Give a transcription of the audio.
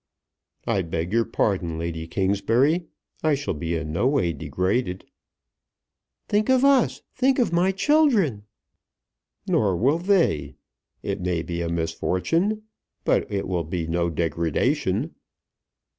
"I beg your pardon, Lady Kingsbury; I shall be in no way degraded." "Think of us; think of my children." "Nor will they. It may be a misfortune, but will be no degradation.